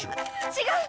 違う！